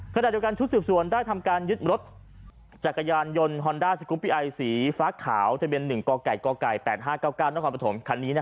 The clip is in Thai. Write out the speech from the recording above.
ขณะเดียวกันชุดสืบสวนได้ทำการยึดรถจักรยานยนต์ฮอนด้าสกุปปี้ไอสีฟ้าขาวทะเบียน๑กก๘๕๙๙นครปฐมคันนี้